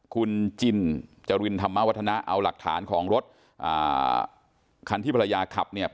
คุณจินจรินธรรมวัฒนะเอาหลักฐานของรถคันที่ภรรยาขับเนี่ย